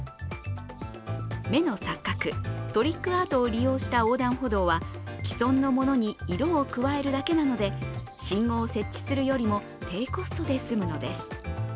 目の錯覚、トリックアートを利用した横断歩道は既存のものに色を加えるだけなので、信号を設置するよりも低コストで済むのです。